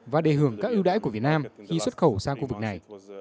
và đề hưởng các ưu đãi của việt nam khi xuất khẩu sang khu vực này